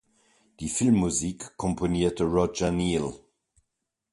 Die Filmmusik komponierte Roger Neill.